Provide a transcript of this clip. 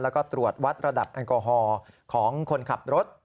แล้วก็ตรวจวัดระดับแอลกอฮอล์ของคนขับรถ